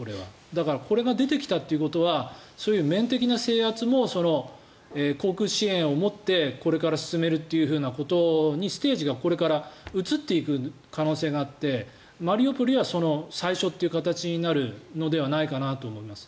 だからこれが出てきたということはそういう面的な制圧も航空支援をもってこれから進めるというふうなことにステージがこれから移っていく可能性があってマリウポリはその最初という形になるのではないかなと思います。